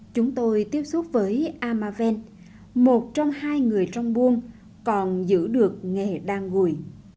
chúng tôi tiếp xúc với amaven một trong hai người trong buôn còn giữ được nghề đăng ký